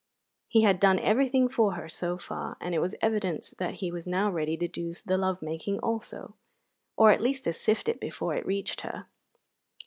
He had done everything for her so far, and it was evident that he was now ready to do the love making also, or at least to sift it before it reached her.